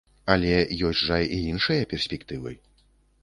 Але ёсць жа і іншыя перспектывы.